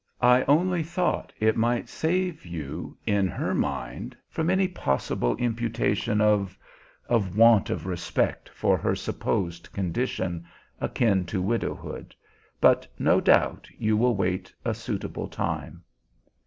I only thought it might save you, in her mind, from any possible imputation of of want of respect for her supposed condition, akin to widowhood; but no doubt you will wait a suitable time."